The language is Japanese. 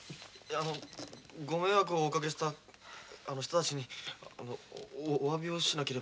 あのご迷惑をおかけした人たちにおわびをしなければと。